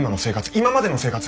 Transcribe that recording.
今までの生活。